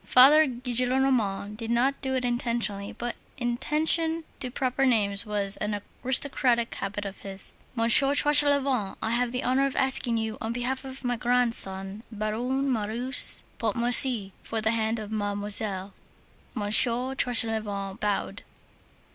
Father Gillenormand did not do it intentionally, but inattention to proper names was an aristocratic habit of his. "Monsieur Tranchelevent, I have the honor of asking you, on behalf of my grandson, Baron Marius Pontmercy, for the hand of Mademoiselle." Monsieur Tranchelevent bowed.